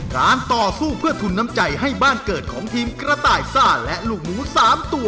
การต่อสู้เพื่อทุนน้ำใจให้บ้านเกิดของทีมกระต่ายซ่าและลูกหนู๓ตัว